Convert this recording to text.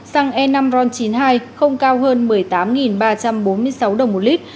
xăng e năm ron chín mươi hai không cao hơn một mươi tám ba trăm bốn mươi sáu đồng một lít